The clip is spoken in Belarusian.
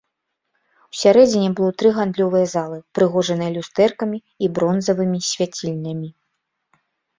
Усярэдзіне было тры гандлёвыя залы, упрыгожаныя люстэркамі і бронзавымі свяцільнямі.